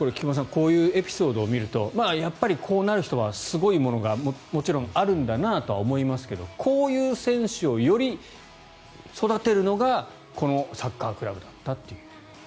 こういうエピソードを見るとやっぱりこうなる人はすごいものがもちろんあるんだなと思いますがこういう選手をより育てるのがこのサッカークラブだったと。